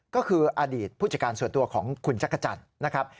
ก็คืออดีตผู้จัดการส่วนตัวของคุณจักรจันทร์นะครับ